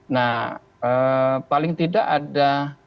nah paling tidak ada